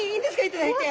いただいて。